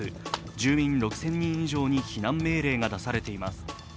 住民６０００人以上に避難命令が出されています。